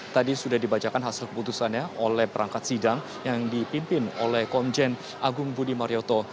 tadi sudah dibacakan hasil keputusannya oleh perangkat sidang yang dipimpin oleh komjen agung budi marioto